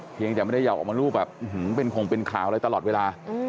ยังแต่ไม่ได้อยากออกมารูปแบบเป็นคงเป็นข่าวอะไรตลอดเวลา